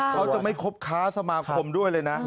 เขาจะไม่คบค้าสมาคมด้วยเลยนะ